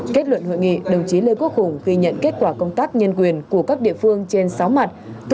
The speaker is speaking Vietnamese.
kết luận hội nghị đồng chí lê quốc hùng ghi nhận kết quả công tác nhân quyền của các địa phương trên sáu mặt